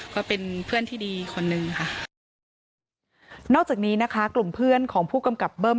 ก็เป็นเพื่อนที่ดีคนหนึ่งค่ะนอกจากนี้นะคะกลุ่มเพื่อนของผู้กำกับเบิ้ม